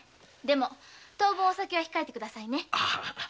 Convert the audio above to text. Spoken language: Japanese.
でもお酒は控えてくださいね。